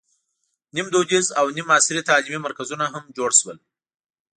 نیم دودیز او نیم عصري تعلیمي مرکزونه هم جوړ شول.